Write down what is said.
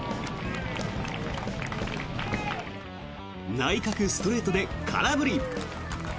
内角ストレートで空振り。